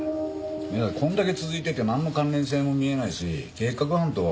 いやこんだけ続いててなんの関連性も見えないし計画犯とは思えないな。